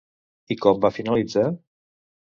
I com va finalitzar?